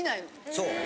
そう！